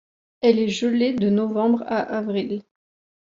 Elle est gelée de novembre à avril.